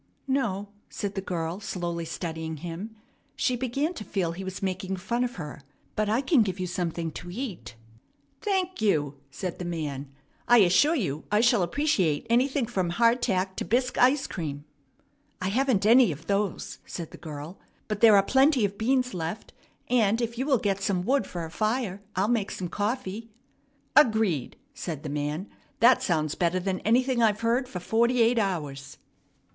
"No," said the girl, slowly studying him she began to feel he was making fun of her; "but I can give you something to eat." "Thank you!" said the man. "I assure you I shall appreciate anything from hardtack to bisque ice cream." "I haven't any of those," said the girl, "but there are plenty of beans left; and, if you will get some wood for a fire, I'll make some coffee." "Agreed," said the man. "That sounds better than anything I've heard for forty eight hours."